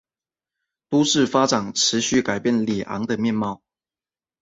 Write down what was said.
都市发展持续改变里昂的面貌。